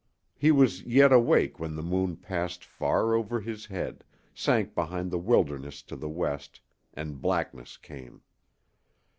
He was yet awake when the moon passed far over his head, sank behind the wilderness to the west, and blackness came.